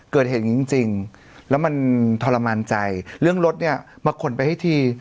เกิดเหตุอย่างนี้จริงแล้วมันทรมานใจเรื่องรถเนี่ยมาขนไปให้ที